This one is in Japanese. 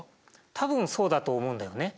多分そうだと思うんだよね。